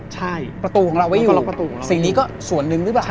ใช่ประตูของเราไว้อยู่แล้วก็ล็อกประตูของเราไว้อยู่สิ่งนี้ก็ส่วนหนึ่งหรือเปล่า